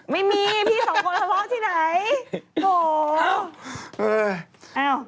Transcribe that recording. ไม่มีพี่สองคนละทะเลาะที่ไหน